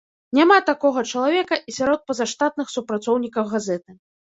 Няма такога чалавека і сярод пазаштатных супрацоўнікаў газеты.